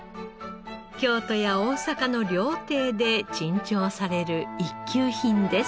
京都や大阪の料亭で珍重される一級品です。